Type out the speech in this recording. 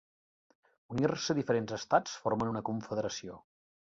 Unir-se diferents estats formant una confederació.